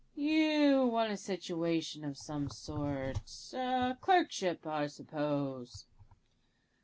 "You want a situation of some sort a clerkship, I suppose?"